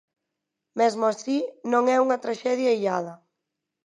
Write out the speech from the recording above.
Mesmo así, non é unha traxedia illada.